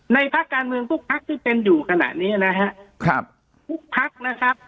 ในภาคการเมืองทุกภาคที่เป็นอยู่ขนาดนี้นะฮะครับทุกภาคนะครับ